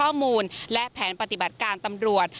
ข้อมูลและแผนปฏิบัติการตำรวจ